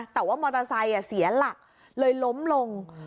แต่ว่ามอเตอร์ไซค์เสียหลักเลยล้มลง